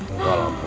enggak lah bu